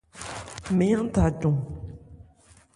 Mɛ́n-an, ń tha cɔn.